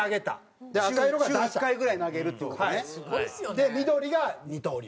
で緑が二刀流。